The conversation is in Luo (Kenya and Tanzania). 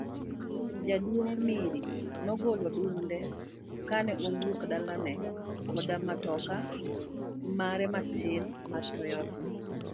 Jaduong' Miri nogolo dwonde kane owuok dalane koda matoka mare matin mar Toyota.